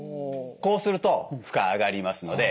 こうすると負荷上がりますので。